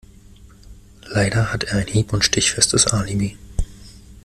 Leider hat er ein hieb- und stichfestes Alibi.